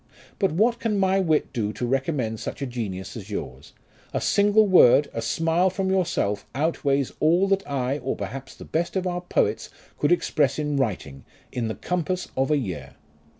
But what can my wit do to recommend such a genius as yours : a single word, a smile from yourself, outweighs all that I, or perhaps the best of our poets could express in writing, in the compass of a year.